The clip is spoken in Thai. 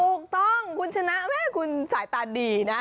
ถูกต้องคุณชนะแม่คุณสายตาดีนะ